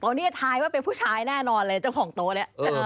ตอนนี้ทายว่าเป็นผู้ชายแน่นอนเลยเจ้าของโต๊ะเนี่ย